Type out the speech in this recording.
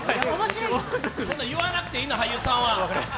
言わなくていいのよ、俳優さんは。